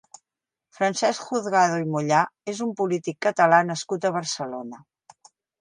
Francesc Juzgado i Mollá és un polític Català nascut a Barcelona.